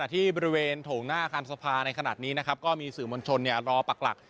โถงหน้าการสภาในขณะนี้ก็มีสื่อมณษนรอเปลก